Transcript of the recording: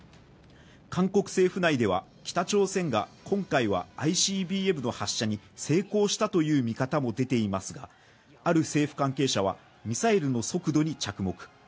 韓国政府内では北朝鮮が今回はＩＣＢＭの発射に成功したという見方も出ていますが、ある政府関係者は、ミサイルの速度に着目。